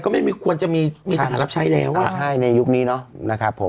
ก็ไม่มีควรจะมีมีทหารรับใช้แล้วอ่ะใช่ในยุคนี้เนอะนะครับผม